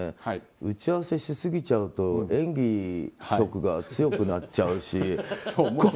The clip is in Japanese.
打ち合わせしすぎちゃうと演技色が強くなっちゃうし。